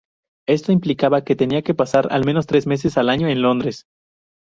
Eso implicaba que tenía que pasar al menos tres meses al año en Londres.